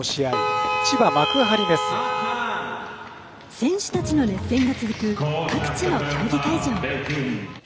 選手たちの熱戦が続く各地の競技会場。